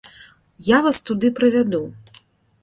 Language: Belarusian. Я вас туды правяду!